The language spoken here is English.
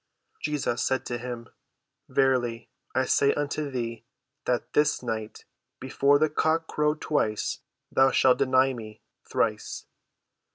Jesus said to him, "Verily, I say unto thee, that this night, before the cock crow twice, thou shalt deny me thrice."